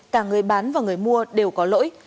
cả người bán và người mua đều có lỗi